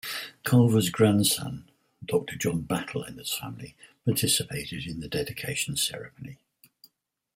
Culver's grandson, Doctor John Battle, and his family participated in the dedication ceremony.